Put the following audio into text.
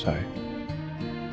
katanya udah selesai